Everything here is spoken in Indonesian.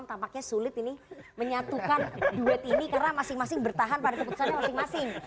tampaknya sulit ini menyatukan duet ini karena masing masing bertahan pada keputusannya masing masing